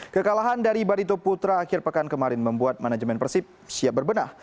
kekalahan dari barito putra akhir pekan kemarin membuat manajemen persib siap berbenah